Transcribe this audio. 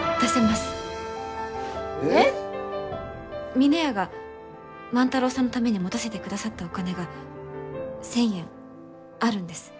峰屋が万太郎さんのために持たせてくださったお金が１，０００円あるんです。